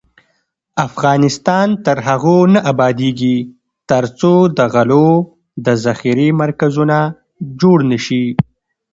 افغانستان تر هغو نه ابادیږي، ترڅو د غلو د ذخیرې مرکزونه جوړ نشي.